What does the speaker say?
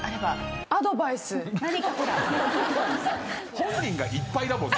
本人がいっぱいだもんね